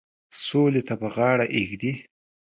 سولي ته به غاړه ایږدي.